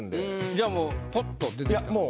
じゃあもうポッと出てきたんですか？